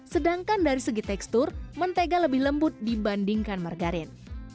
sedangkan dari segi tekstur mentega lebih lembut dibandingkan margarin